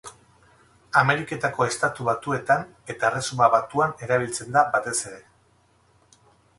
Ameriketako Estatu Batuetan eta Erresuma Batuan erabiltzen da batez ere.